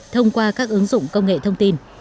thông qua các ứng dụng công nghệ thông tin